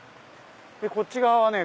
こっち側はね